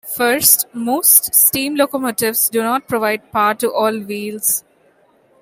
First, most steam locomotives do not provide power to all wheels.